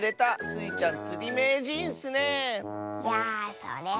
スイちゃん！